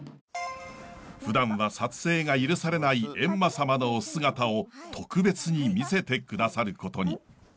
ふだんは撮影が許されない閻魔様のお姿を特別に見せて下さることに。